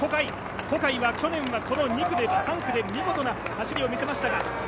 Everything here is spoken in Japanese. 小海、去年はこの３区で見事な走りを見せましたが。